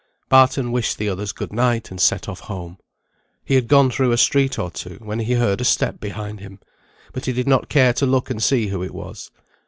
Barton wished the others good night, and set off home. He had gone through a street or two, when he heard a step behind him; but he did not care to look and see who it was.